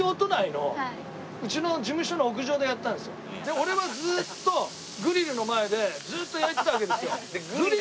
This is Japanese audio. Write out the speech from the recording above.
俺はずーっとグリルの前でずっと焼いてたわけですよ。